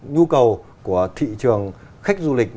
nhu cầu của thị trường khách du lịch